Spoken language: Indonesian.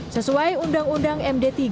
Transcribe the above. sesuai undang undang md tiga